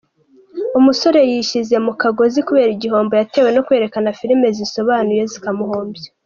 Umusore yishyize mu kagozi kubera igihombo yatewe no kwerekana filime zisobanuye zikamuhombya .